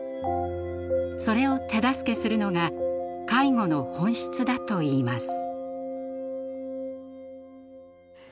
それを手助けするのが介護の本質だといいます。